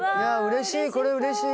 うれしい。